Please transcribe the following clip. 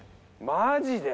マジで？